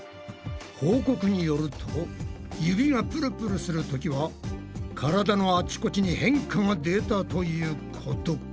報告によると指がプルプルするときは体のあちこちに変化が出たということか。